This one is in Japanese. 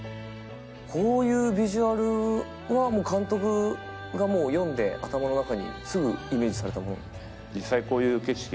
こういうビジュアルはもう監督が読んで頭の中にすぐイメージされたものなんですか？